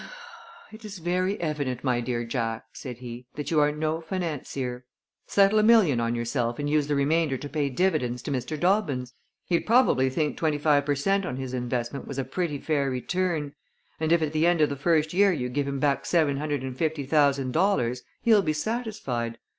"It is very evident, my dear Jack," said he, "that you are no financier. Settle a million on yourself and use the remainder to pay dividends to Mr. Dobbins. He'd probably think twenty five per cent. on his investment was a pretty fair return, and if at the end of the first year you give him back seven hundred and fifty thousand dollars he'll be satisfied.